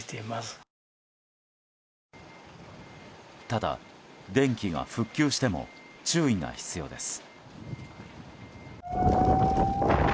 ただ、電気が復旧しても注意が必要です。